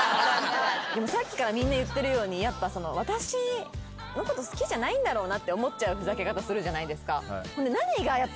でもさっきからみんな言ってるように私のこと好きじゃないんだろうなって思っちゃうふざけ方するじゃないですか。